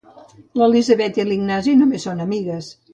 L'Elisabet i l'Ignasi només són amigues.